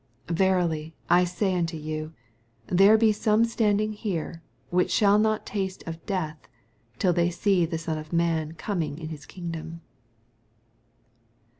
28 Verily I say unto you. There he some standiDfi^ here, whicn shall not taste of death, till the^ see the Son of man coming in his kingdom.